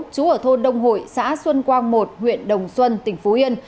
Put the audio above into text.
chú ở thôn đông hội xã xuân quang một huyện đồng xuân tỉnh phú yên